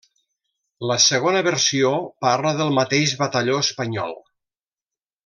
La Segona Versió parla del mateix batalló espanyol.